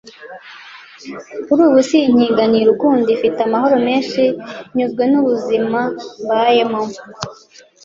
Kuri ubu sinkiganyira ukundi, mfite amahoro menshi nyuzwe n’ubuzima mbayemo